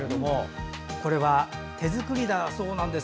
これは手作りなんだそうです。